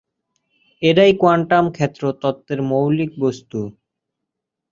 এরাই কোয়ান্টাম ক্ষেত্র তত্ত্বের মৌলিক বস্তু।